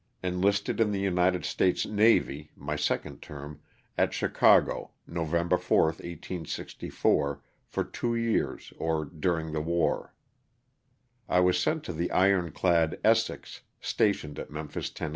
Enlisted in the IJDited States navy — my second term — at Chicago, November 4, 1864, for two years or during the war. I was sent to the ironclad Essex,'' stationed at Memphis, Tenn.